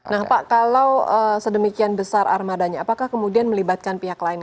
nah pak kalau sedemikian besar armadanya apakah kemudian melibatkan pihak lain